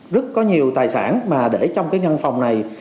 rất có nhiều tài sản mà để trong cái văn phòng này